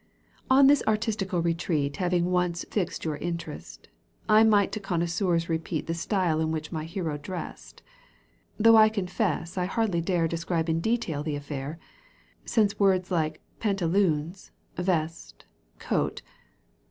On this artistical retreat Having once fixed your interest, I might to connoisseurs repeat The style in which my hero dressed ; Though I confess I hardly dare Describe in detail the affair, Since words like pantaloons, vest, coat, Digitized by VjOOQ 1С CANTO I.